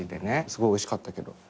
すごいおいしかったけど。